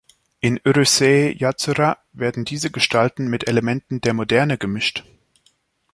In "Urusei Yatsura" werden diese Gestalten mit Elementen der moderne gemischt.